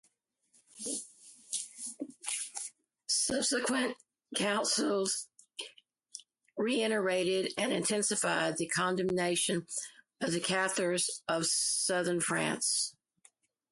Subsequent councils reiterated and intensified the condemnation of the Cathars of southern France.